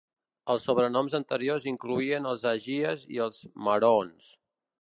Els sobrenoms anteriors incloïen els Aggies i els Maroons.